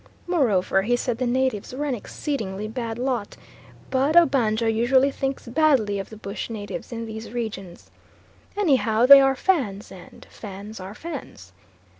Moreover he said the natives were an exceedingly bad lot; but Obanjo usually thinks badly of the bush natives in these regions. Anyhow they are Fans and Fans are Fans.